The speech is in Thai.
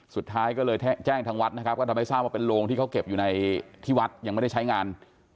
สุดท้ายก็เลยแจ้งทางวัดนะครับก็ทำให้ทราบว่าเป็นโรงที่เขาเก็บอยู่ในที่วัดยังไม่ได้ใช้งาน